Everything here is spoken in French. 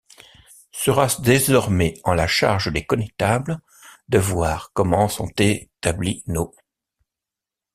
Sera-ce désormais en la charge des connestables de veoir comment sont establis nos...